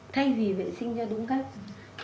thay vì vệ sinh ra đúng cách